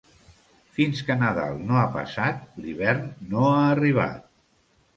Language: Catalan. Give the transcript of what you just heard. Fins que Nadal no ha passat, l'hivern no ha arribat.